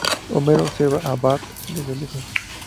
Homero observa a Bart desde lejos.